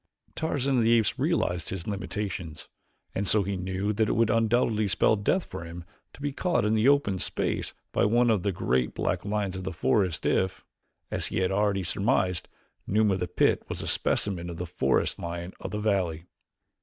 Tarzan of the Apes realized his limitations and so he knew that it would undoubtedly spell death for him to be caught in the open space by one of the great black lions of the forest if, as he had already surmised, Numa of the pit was a specimen of the forest lion of the valley.